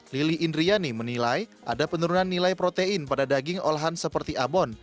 lili indriani menilai ada penurunan nilai protein pada daging olahan seperti abon